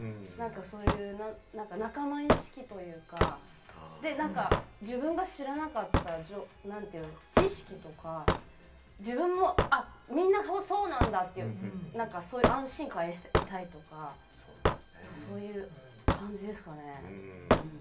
みたいなそういう仲間意識というか、自分が知らなかった情報、知識とか、自分もみんな楽しそうなんだ、そうなんだという安心感を得たいとか、そういう感じですかね。